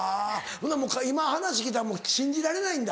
ほなもう今話聞いたら信じられないんだ？